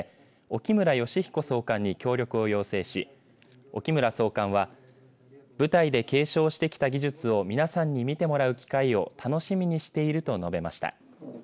沖邑佳彦総監に協力を要請し沖邑総監は部隊で継承してきた技術を皆さんに見てもらう機会を楽しみにしていると述べました。